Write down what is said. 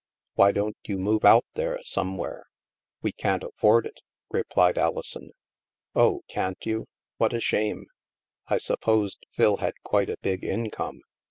Why don't you move out there, some where?" We can't afford it," replied Alison. Oh, can't you? What a shame. I supposed Phil had quite a big income.